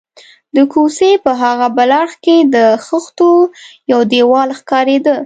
د کوڅې په هاغه بل اړخ کې د خښتو یو دېوال ښکارېده.